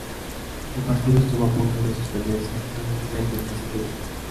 El partido estuvo a punto de suspenderse, aunque finalmente se jugó.